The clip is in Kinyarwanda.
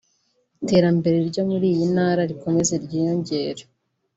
iterambere ryo muri iyi Ntara rikomeze ryiyongere”